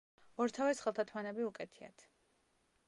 ორთავეს ხელთათმანები უკეთიათ.